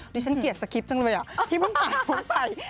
ดิฉันเกลียดสคริปต์จังเลยอ่ะที่มึงปล่อยปลูกไป